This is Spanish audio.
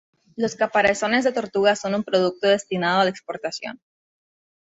Los caparazones de tortuga son un producto destinado a la exportación.